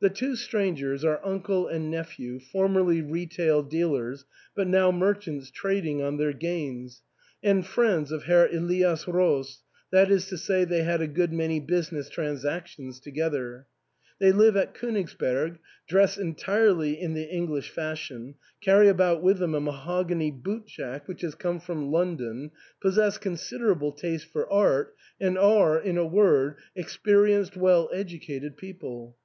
The two strangers are uncle and nephew, formerly retail dealers, but now merchants trading on their gains, and friends of Herr Elias Roos, that is to say, they had a good many busi ness transactions together. They live at Konigsberg, dress entirely in the English fashion, carry about with them a mahogany boot jack which has come from Lon don, possess considerable taste for art, and are, in a word, experienced, well educated people.